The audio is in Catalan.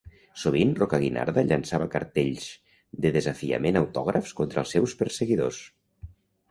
Sovint Rocaguinarda llançava cartells de desafiament autògrafs contra els seus perseguidors.